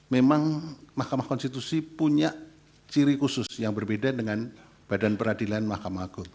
memang mahkamah konstitusi punya ciri khusus yang berbeda dengan badan peradilan mahkamah agung